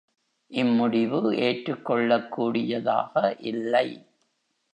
இம்முடிவு ஏற்றுக்கொள்ளக் கூடியதாக இல்லை.